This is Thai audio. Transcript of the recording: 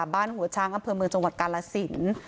บ้านหัวช้างอำเภอเมืองจังหวัดกาลสิน